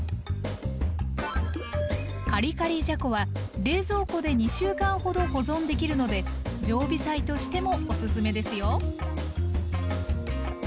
カリカリじゃこは冷蔵庫で２週間ほど保存できるので常備菜としてもおすすめですよ。